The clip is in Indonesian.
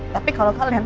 tapi kalau kalian